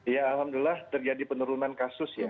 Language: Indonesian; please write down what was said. ya alhamdulillah terjadi penurunan kasus ya